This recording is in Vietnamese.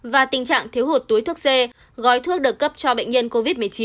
và tình trạng thiếu hụt túi thuốc c gói thuốc được cấp cho bệnh nhân covid một mươi chín